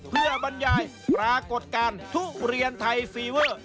เพื่อบรรยายปรากฏการณ์ทุเรียนไทยฟีเวอร์